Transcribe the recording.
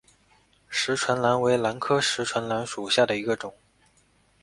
匙唇兰为兰科匙唇兰属下的一个种。